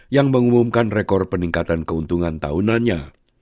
yang mengumumkan rekor peningkatan keuntungan tahunannya